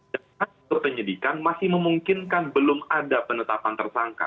dan penyidikan masih memungkinkan belum ada penetapan tersangka